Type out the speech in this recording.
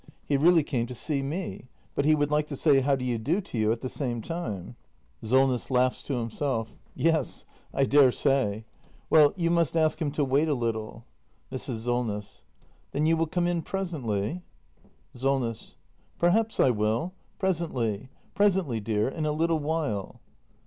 He really came to see me; but he would like to say how do you do to you at the same time. 264 THE MASTER BUILDER [act i SoLNESS. [Laughs to himself.] Yes, I daresay. Well, you must ask him to wait a little. Mrs. Solness. Then you will come in presently? Solness. Perhaps I will. Presently, presently, dear. In a little while.